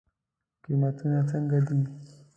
قیمتونه څنګه دی؟